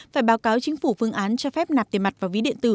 và báo cáo chính phủ phương án cho phép nạp tiền mặt vào ví điện tử